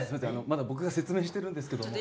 まだ僕が説明してるんですけども。